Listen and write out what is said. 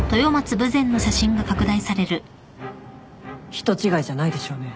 人違いじゃないでしょうね？